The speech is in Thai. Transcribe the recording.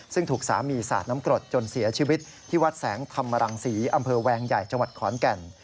ซึ่งถูกสามีสาดน้ำกรดจนเสียชีวิตที่วัดแสงธรรมรังศรีอำเภอแวงใหญ่จังหวัดขอนแก่น